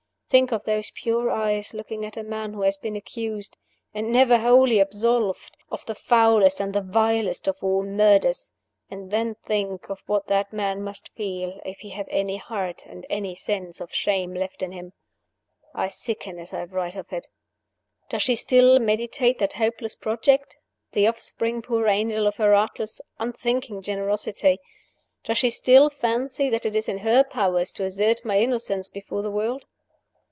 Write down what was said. Think of those pure eyes looking at a man who has been accused (and never wholly absolved) of the foulest and the vilest of all murders, and then think of what that man must feel if he have any heart and any sense of shame left in him. I sicken as I write of it. "Does she still meditate that hopeless project the offspring, poor angel, of her artless, unthinking generosity? Does she still fancy that it is in her power to assert my innocence before the world?